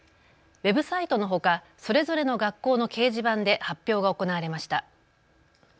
ウェブサイトのほか、それぞれの学校の掲示板で発表が行われました。